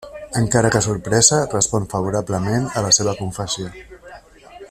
Encara que sorpresa, respon favorablement a la seva confessió.